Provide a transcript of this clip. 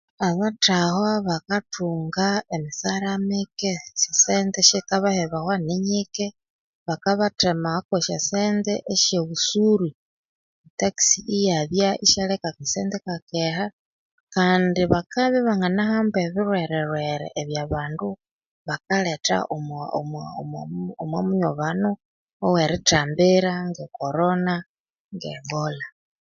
Abathahwa bakathunga emisara mike esisente esikabahebawa ninyike bakabattemako esisente esyobusuru tax iyabya isyaleka akasente ikakeha kandi bakabya ibanginahambwa ebilhwere lhwere ebya bandu bakaletha omwa munyobano owerithambira nge Corona ne Ebola